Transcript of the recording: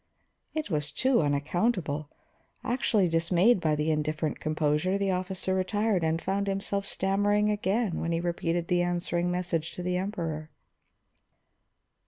It was too unaccountable; actually dismayed by the indifferent composure, the officer retired, and found himself stammering again when he repeated the answering message to the Emperor.